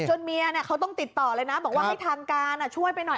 เมียเขาต้องติดต่อเลยนะบอกว่าให้ทางการช่วยไปหน่อย